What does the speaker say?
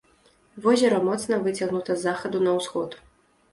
Возера моцна выцягнута з захаду на ўсход.